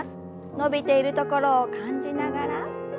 伸びているところを感じながら。